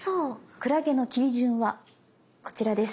「クラゲ」の切り順はこちらです。